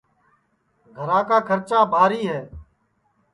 گھرا کا کھرچا بھاری ہے